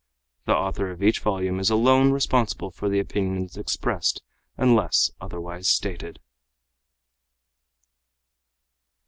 The author of each volume is alone responsible for the opinions expressed, unless otherwise stated.